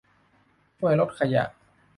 ช่วยลดขยะ